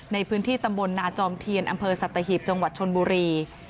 ในพื้นที่ตำบลนาจอมเทียนอำเภอสัตหีบจังหวัดชนบุรี